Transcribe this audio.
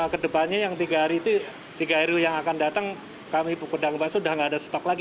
kedepannya yang tiga hari itu tiga hari yang akan datang kami pedang basah sudah tidak ada stok lagi